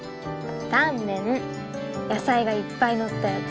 野菜がいっぱい乗ったやつ。